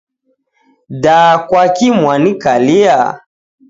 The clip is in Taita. Daa kwaki mwanikalia?